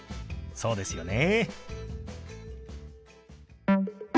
そうですよね。